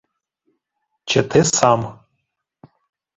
— Чети сам!